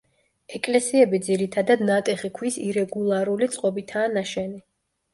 ეკლესიები ძირითადად ნატეხი ქვის ირეგულარული წყობითაა ნაშენი.